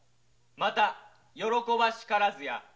また楽しからずや」